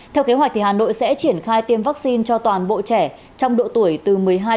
theo kế hoạch hà nội sẽ triển khai tiêm vaccine cho toàn bộ trẻ trong độ tuổi từ một mươi hai một mươi bảy